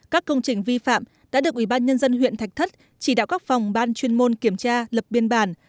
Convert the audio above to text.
các công trình vi phạm đã được ủy ban nhân dân huyện thạch thất chỉ đạo các phòng ban chuyên môn kiểm tra lập biên bản